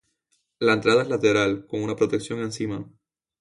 La entrada es lateral, con una protección encima.